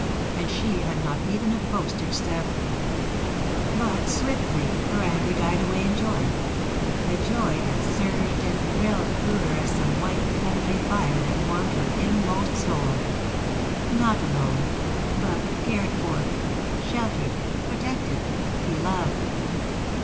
And she had not even a postage stamp! But swiftly her anger died away in joy a joy that surged and thrilled through her as some white, heavenly fire that warmed her inmost soul. Not alone, but cared for sheltered, protected, loved.